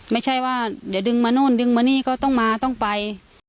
ไม่ใช่ว่าเดี๋ยวดึงมาโน่นดึงมานี่ก็ต้องมาต้องไป